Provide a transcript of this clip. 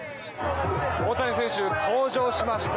大谷選手、登場しました。